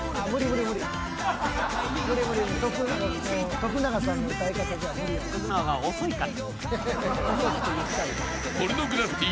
徳永は遅いから。